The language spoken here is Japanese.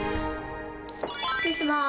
失礼します。